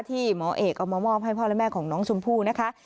หมอเอกเอามามอบให้พ่อและแม่ของน้องชมพู่นะคะ